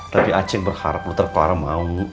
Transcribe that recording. tapi acing berharap dokter clara mau